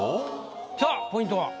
さあポイントは？